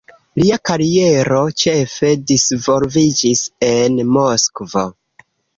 Lia kariero ĉefe disvolviĝis en Moskvo.